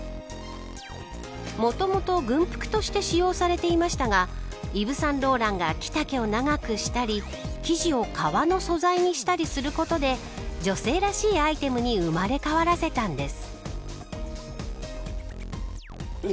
もともと軍服として使用されていましたがイヴ・サンローランが着丈を長くしたり生地を革の素材にしたりすることで女性らしいアイテムに生まれ変わらせたんです。